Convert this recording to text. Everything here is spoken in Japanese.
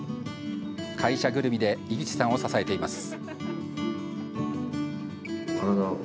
会社ぐるみで井口さんを支えています。